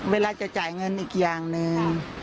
เวลาจะจ่ายเงินอีกอย่างหนึ่ง